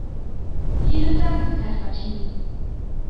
Vielen Dank, Herr Frattini.